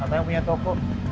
atau yang punya toko